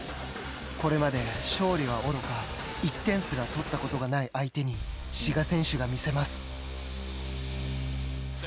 これまで勝利はおろか１点すら取ったことがない相手に志賀選手が見せます。